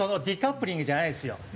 デカップリングじゃないんですよ。